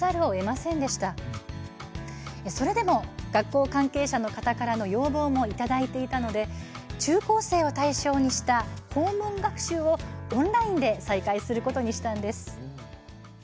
それでも、学校関係者の方からの要望もいただいていたので中高生を対象にした訪問学習をオンラインで再開することにしたのです。